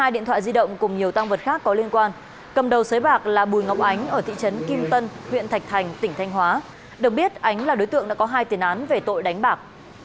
một mươi điện thoại di động cùng nhiều tăng vật khác có liên quan cầm đầu sới bạc là bùi ngọc ánh ở thị trấn kim tân huyện thạch thành tỉnh thanh hóa được biết ánh là đối tượng đã có hai tiền án về tội đánh bạc